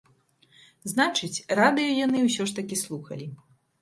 Значыць, радыё яны ўсё ж такі слухалі.